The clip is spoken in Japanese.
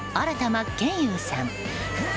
真剣佑さん。